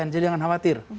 jadi jangan khawatir